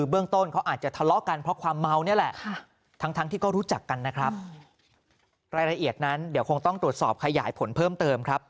เบื้องต้นแมวนี่แหละทั้งทั้งที่ก็รู้จักกันนะครับลายละเอียดนั้นเดี๋ยวคงต้องตรวจสอบขยายผลเพิ่มเติมครับ